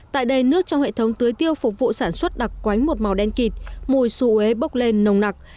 tại đây nước trong hệ thống tưới tiêu phục vụ sản xuất đặc quánh một màu đen kịt mùi suế bốc lên nồng nặc